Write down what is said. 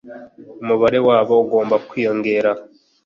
umubare wabo ugomba kwiyongera